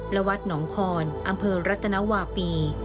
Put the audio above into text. และวัดหนองคอนอำเภอรัตนวาปี